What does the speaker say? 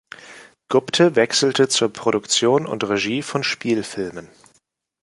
Gupte wechselte zur Produktion und Regie von Spielfilmen.